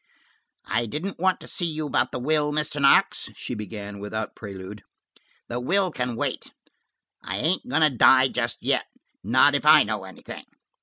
"I didn't want to see you about the will, Mr. Knox," she began without prelude. "The will can wait. I ain't going to die just yet–not if I know anything.